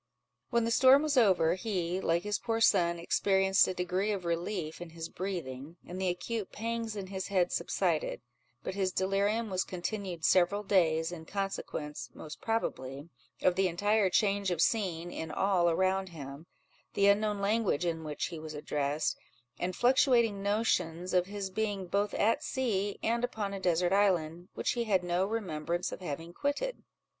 When the storm was over, he, like his poor son, experienced a degree of relief in his breathing, and the acute pangs in his head subsided; but his delirium was continued several days, in consequence (most probably) of the entire change of scene in all around him, the unknown language in which he was addressed, and fluctuating notions, of his being both at sea and upon a desert island, which he had no remembrance of having quitted.